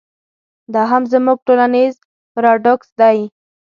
دا هم زموږ ټولنیز پراډوکس دی.